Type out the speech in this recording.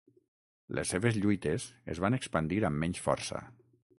Les seves lluites es van expandir amb menys força.